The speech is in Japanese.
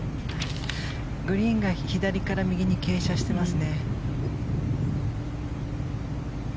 グリーンが左から右に傾斜しています。